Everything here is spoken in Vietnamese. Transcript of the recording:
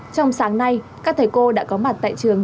trong sáng nay các thầy cô đã có mặt tại trường